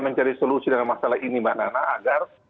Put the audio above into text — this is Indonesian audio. mencari solusi dengan masalah ini mbak nana agar